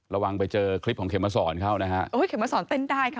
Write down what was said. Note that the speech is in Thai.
ระวังไปเจอคลิปของเข็มมาสอนเข้านะฮะโอ้เข็มมาสอนเต้นได้ค่ะ